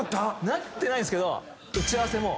なってないですけど打ち合わせも。